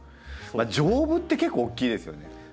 丈夫って結構大きいですよね。